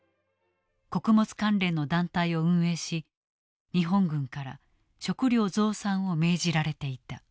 穀物関連の団体を運営し日本軍から食料増産を命じられていた。